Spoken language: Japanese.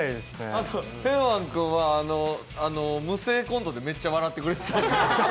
あと豊凡君は無声コントでめっちゃ笑ってくれてた。